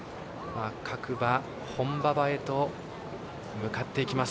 各馬、本馬場へと向かっていきます。